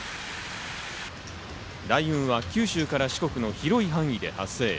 雷雲は九州から四国の広い範囲で発生。